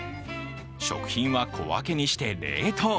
食品は小分けにして冷凍。